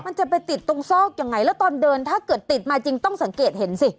มันจะไปติดตรงซอกยังไงแล้วตอนเดินถ้าเกิดติดมาจริงต้องสังเกตเห็นสิ